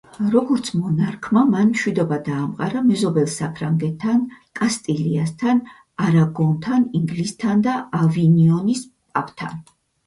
როგორც მონარქმა, მან მშვიდობა დაამყარა მეზობელ საფრანგეთთან, კასტილიასთან, არაგონთან, ინგლისთან და ავინიონის პაპთან.